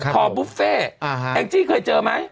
พอบุฟเฟ่แองจี้เคยเจอไหม